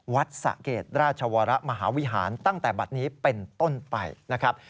วัดสะเกดราชวรมหาวิหารตั้งแต่บัตรนี้เป็นต้นไปนะครับ